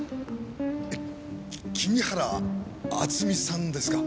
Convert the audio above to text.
き君原敦美さんですか？